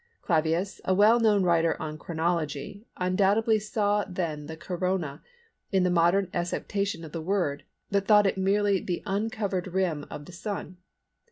Clavius, a well known writer on chronology, undoubtedly saw then the Corona in the modern acceptation of the word but thought it merely the uncovered rim of the Sun.